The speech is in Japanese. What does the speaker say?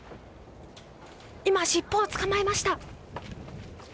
今、尻尾を捕まえました！